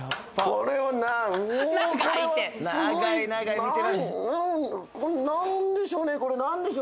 これなんでしょう？